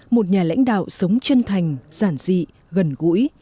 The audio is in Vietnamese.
một nhà lãnh đạo sống chân thành giản dị gần gũi